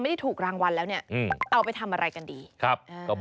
ไม่ถูกก็เอาไปต้มกินซัก